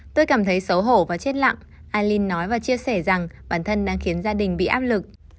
tôi cảm thấy xấu hổ và chết lặng alin nói và chia sẻ rằng bản thân đang khiến gia đình bị áp lực